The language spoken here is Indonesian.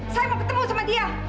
saya mau ketemu sama dia